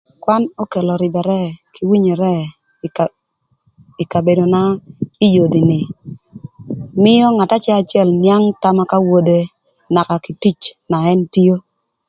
Kwan okelo rïbërë kï winyere ï kabedona ï yodhi nï: Mïö ngat acëlacël nïang thama k'awodhe naka kï tic na ën tio.